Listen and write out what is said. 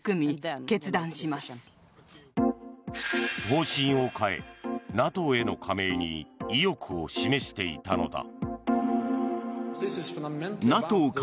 方針を変えＮＡＴＯへの加盟に意欲を示していたのだ。